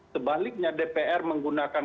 sebaliknya dpr menggunakan